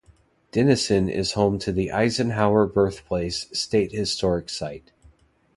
Denison is home to the Eisenhower Birthplace State Historic Site.